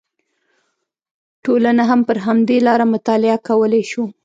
ټولنه هم پر همدې لاره مطالعه کولی شو